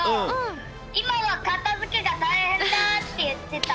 いまは「かたづけがたいへんだ」っていってた。